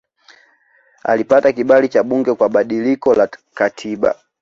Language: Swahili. Alipata kibali cha bunge kwa badiliko la katiba